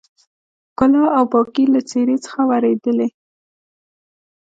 ښکلا او پاکي يې له څېرې څخه ورېدلې.